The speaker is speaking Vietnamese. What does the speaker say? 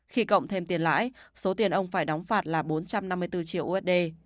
khi cộng thêm tiền lãi số tiền ông phải đóng phạt là bốn trăm năm mươi bốn triệu usd